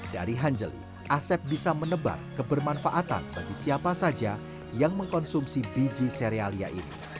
dari hanjeli asep bisa menebar kebermanfaatan bagi siapa saja yang mengkonsumsi biji serealia ini